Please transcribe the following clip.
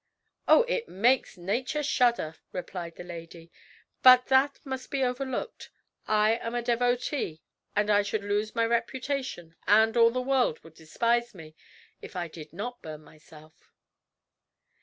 "Oh! it makes nature shudder," replied the lady, "but that must be overlooked. I am a devotee, and I should lose my reputation and all the world would despise me if I did not burn myself."